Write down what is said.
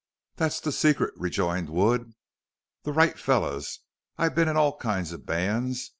"Thet's the secret," rejoined Wood. "The right fellers. I've been in all kinds of bands.